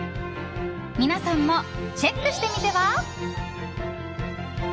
皆さんもチェックしてみては？